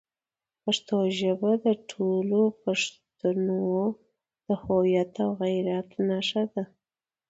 پښتو ژبه د ټولو پښتنو د هویت او غیرت نښه ده.